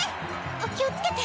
お気をつけて。